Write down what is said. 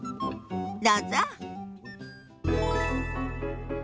どうぞ。